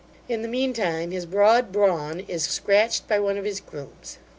In the mean time, his broad brawn is scratched by one of his grooms.